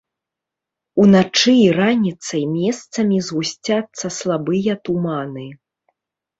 Уначы і раніцай месцамі згусцяцца слабыя туманы.